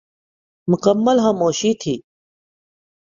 مکمل خاموشی تھی ۔